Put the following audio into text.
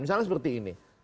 misalnya seperti ini